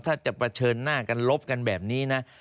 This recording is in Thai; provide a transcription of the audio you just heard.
ถ้าจะเผชิญหน้ากันลบกันแบบนี้นะ